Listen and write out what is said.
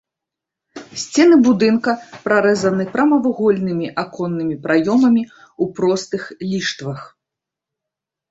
Сцены будынка прарэзаны прамавугольнымі аконнымі праёмамі ў простых ліштвах.